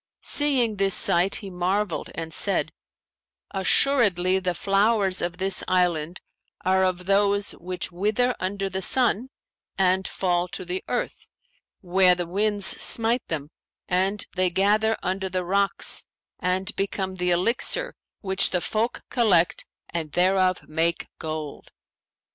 Seeing this sight, he marvelled and said, 'Assuredly, the flowers of this island are of those which wither under the sun and fall to the earth, where the winds smite them and they gather under the rocks and become the Elixir[FN#523] which the folk collect and thereof make gold.'